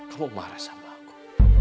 kamu marah sama aku